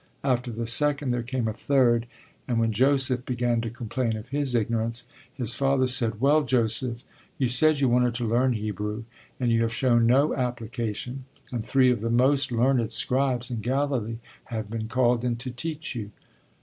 After the second there came a third, and when Joseph began to complain of his ignorance his father said: Well, Joseph, you said you wanted to learn Hebrew, and you have shown no application, and three of the most learned scribes in Galilee have been called in to teach you.